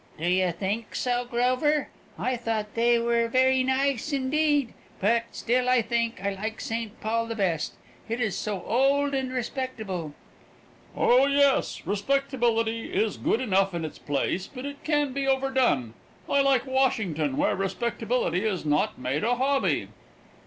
"Do you think so, Grover? I thought they were very nice, indeed, but still I think I like St. Paul the best. It is so old and respectable." "Oh, yes, respectability is good enough in its place, but it can be overdone. I like Washington, where respectability is not made a hobby."